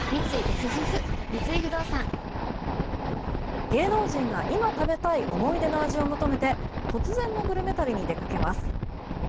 三井不動産芸能人が今食べたい思い出の味を求めて突然のグルメ旅に出かけます。